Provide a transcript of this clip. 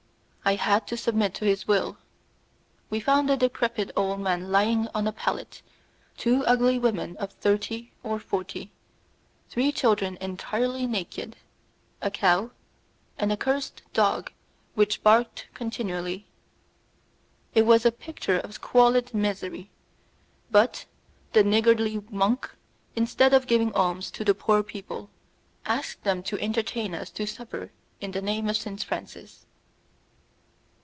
I had to submit to his will. We found a decrepit old man lying on a pallet, two ugly women of thirty or forty, three children entirely naked, a cow, and a cursed dog which barked continually. It was a picture of squalid misery; but the niggardly monk, instead of giving alms to the poor people, asked them to entertain us to supper in the name of Saint Francis.